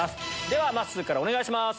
ではまっすーからお願いします。